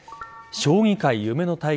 将棋界夢の対決